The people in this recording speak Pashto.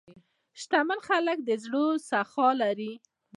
شتمن خلک د زړه سخا لري.